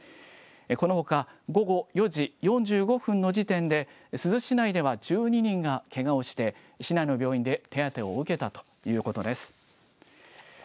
このほか、午後４時４５分の時点で、珠洲市内では１２人がけがをして、市内の病院で手当てを受けたということです。